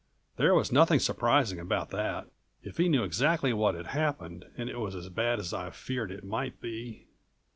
There was nothing surprising about that, if he knew exactly what had happened and it was as bad as I feared it might be.